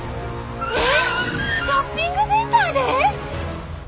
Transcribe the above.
えっショッピングセンターで！？